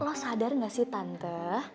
lo sadar nggak sih tante